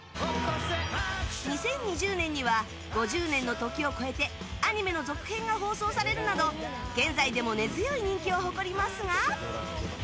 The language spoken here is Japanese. ２０２０年には５０年の時を超えてアニメの続編が放送されるなど現在でも根強い人気を誇りますが。